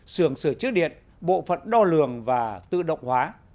sường sửa chứa điện bộ phận đo lường và tự động hóa